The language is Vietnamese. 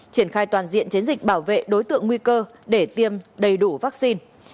triển khai toàn diện chiến dịch bảo vệ đối tượng nguy cơ để tiêm đầy đủ vaccine